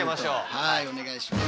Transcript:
はいお願いします。